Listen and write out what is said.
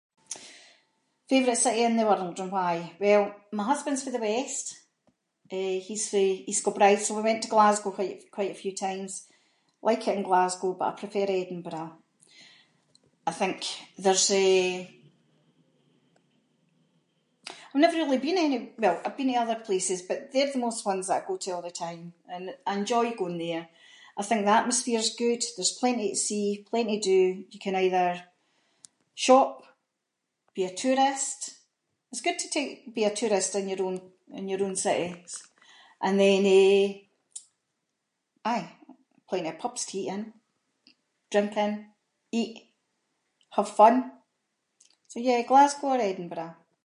Favourite city in the world or why. Well, my husband’s fae the west, eh he’s fae East Kilbride, so we went to Glasgow quite- quite a few times, like it in Glasgow, but I prefer Edinburgh. I think there’s eh- I’ve never really been anywh- well I’ve been to other places, but they’re the most ones that I go to all the time, and I enjoy going there. I think the atmosphere’s good, there’s plenty to see, plenty to do, you can either, shop, be a tourist, it’s good to tak- be a tourist in your own- in your own city, and then eh- aye plenty of pubs to eat in, drink in, eat, have fun, so yeah, Glasgow or Edinburgh.